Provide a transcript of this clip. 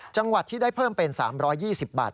จังหวัดที่ได้เพิ่มเป็น๓๒๐บาท